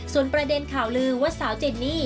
ส่วนประเด็นข่าวลือว่าสาวเจนนี่